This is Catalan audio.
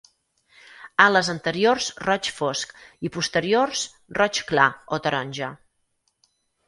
Ales anteriors roig fosc i posteriors roig clar o taronja.